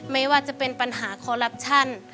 ไม่ว่าจะเป็นปัญหาคอลลับชั่น